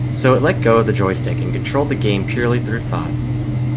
So it let go of the joystick and controlled the game purely through thought.